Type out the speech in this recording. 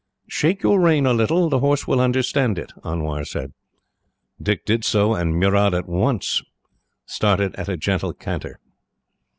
"Shake your rein a little. The horse will understand it," Anwar said. Dick did so, and Murad at once started at a gentle canter.